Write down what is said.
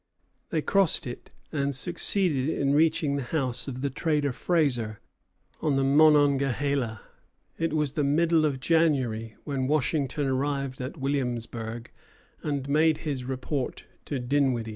They crossed it, and succeeded in reaching the house of the trader Fraser, on the Monongahela. It was the middle of January when Washington arrived at Williamsburg and made his report to Dinwiddie.